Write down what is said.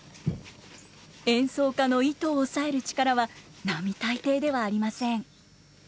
演奏家の糸を押さえる力は並大抵ではありません。